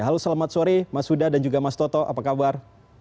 halo selamat sore mas huda dan juga mas toto apa kabar